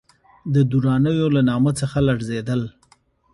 د درانیو له نامه څخه لړزېدل.